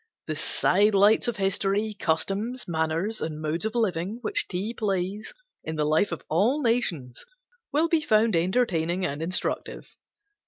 The side lights of history, customs, manners, and modes of living which tea plays in the life of all nations will be found entertaining and instructive.